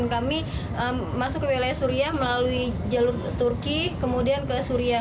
kami masuk ke wilayah suria melalui jalur turki kemudian ke suria